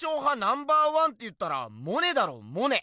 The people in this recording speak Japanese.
ナンバーワンっていったらモネだろモネ！